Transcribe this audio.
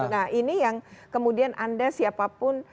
nah ini yang kemudian anda siapapun